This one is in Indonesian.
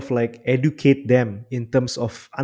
jadi saya rasa dengan terus mengajar mereka